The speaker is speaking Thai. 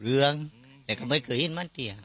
อืม